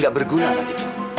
gak berguna lagi